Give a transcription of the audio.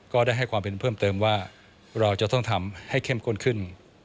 ก็ได้ให้ความเห็นเพิ่มเติมว่าเราจะต้องทำให้เข้มข้นขึ้น